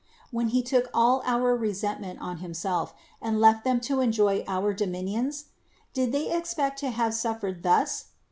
when he took all our resent ment on himself, and left them to enjoy our dominions? Did they expect to have suffered thus